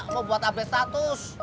mau buat abe status